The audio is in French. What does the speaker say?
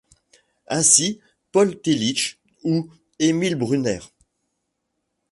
Ainsi Paul Tillich ou Emil Brunner.